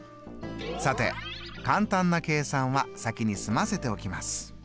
さて簡単な計算は先に済ませておきます。